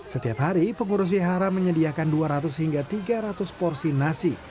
setiap hari pengurus wihara menyediakan dua ratus hingga tiga ratus porsi nasi